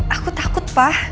aku takut pak